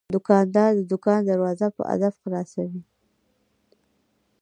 دوکاندار د دوکان دروازه په ادب خلاصوي.